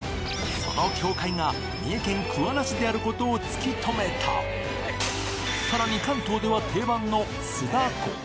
その境界が三重県桑名市である事を突き止めたさらに関東では定番の酢だこ